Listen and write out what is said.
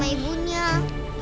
aku mau lihat